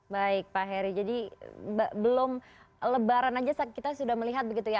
baik pak heri jadi belum lebaran saja kita sudah melihat begitu ya